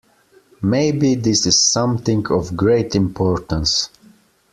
Maybe this is something of great importance.